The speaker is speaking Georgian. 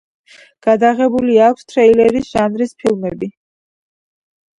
გადაღებული აქვს თრილერის ჟანრის ფილმები.